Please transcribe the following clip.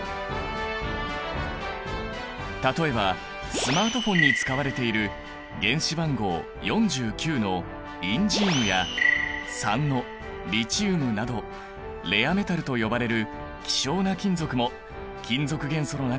例えばスマートフォンに使われている原子番号４９のインジウムや３のリチウムなどレアメタルと呼ばれる希少な金属も金属元素の中に含まれているんだ。